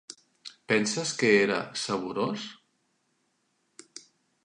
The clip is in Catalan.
Penses que era saborós?